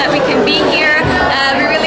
karena kami bisa berada di sini